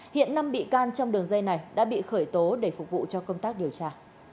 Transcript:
hiện năm bị can trong đường dây này đã bị khởi tố để phục vụ cho công tác điều tra